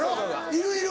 いるいる。